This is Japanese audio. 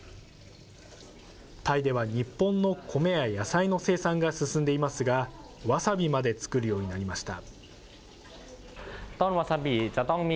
タイでは日本の米や野菜の生産が進んでいますが、わさびまで作るようになりました。